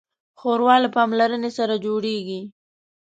ښوروا له پاملرنې سره جوړیږي.